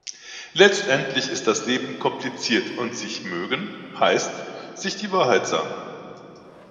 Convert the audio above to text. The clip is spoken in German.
Letztendlich ist das Leben kompliziert, und sich mögen heißt, sich die Wahrheit sagen.